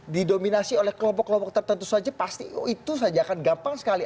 didominasi oleh kelompok kelompok tertentu saja pasti itu saja akan gampang sekali